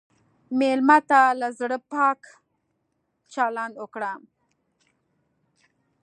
مېلمه ته له زړه پاک چلند وکړه.